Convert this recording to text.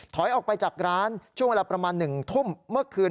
ออกไปจากร้านช่วงเวลาประมาณ๑ทุ่มเมื่อคืน